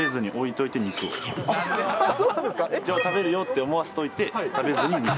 食べるよって思わせといて、食べずに肉。